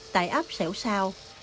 tại áp sẻo sao